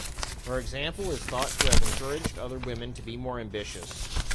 Her example is thought to have encouraged other women to be more ambitious.